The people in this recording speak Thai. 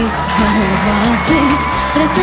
ไม่ใช้ไม่ใช้ไม่ใช้ไม่ใช้